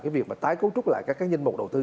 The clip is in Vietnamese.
cái việc mà tái cấu trúc lại các danh mục đầu tư